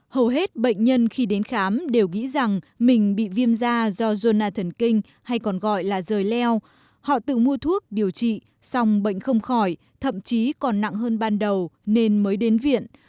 hầu hết bệnh nhân khi đến khám đều nghĩ rằng mình bị viêm da doja thần kinh hay còn gọi là rời leo họ tự mua thuốc điều trị song bệnh không khỏi thậm chí còn nặng hơn ban đầu nên mới đến viện